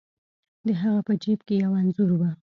د هغه په جیب کې یو انځور و.